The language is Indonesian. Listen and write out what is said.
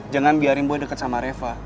jangan biarin gue deket sama reva